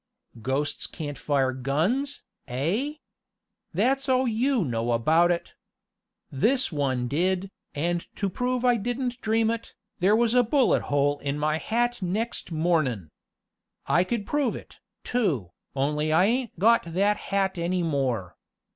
"Ghosts can't fire guns, eh? That's all you know about it. This one did, and to prove I didn't dream it, there was a bullet hole in my hat next mornin'. I could prove it, too, only I ain't got that hat any more.